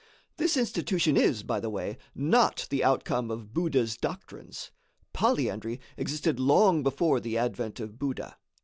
This institution is, by the way, not the outcome of Buddha's doctrines. Polyandry existed long before the advent of Buddha.